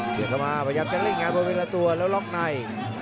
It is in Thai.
เสียบเข้ามาพยายามจะเล่นงานพอเป็นละตัวแล้วล็อกใน